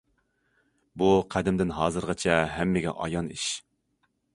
بۇ قەدىمدىن ھازىرغىچە ھەممىگە ئايان ئىش.